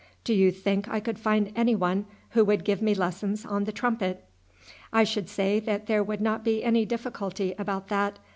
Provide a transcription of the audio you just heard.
Do you think I could find anyone who would give me lessons on the trumpet?" "I should say that there would not be any difficulty about that.